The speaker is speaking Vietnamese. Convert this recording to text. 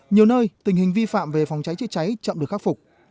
nhiều nơi tình hình vi phạm về phòng cháy chữa cháy chậm được khắc phục